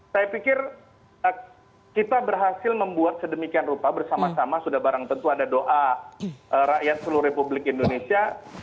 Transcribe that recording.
saya pikir kita berhasil membuat sedemikian rupa bersama sama sudah barang tentu ada doa rakyat seluruh republik indonesia